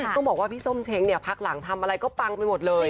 ต้องบอกว่าพี่ส้มเช้งเนี่ยพักหลังทำอะไรก็ปังไปหมดเลย